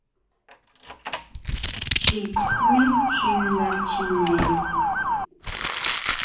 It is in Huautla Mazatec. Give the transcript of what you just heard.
Chjí jmé xi nda chineri.